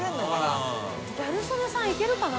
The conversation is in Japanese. ギャル曽根さんいけるかな？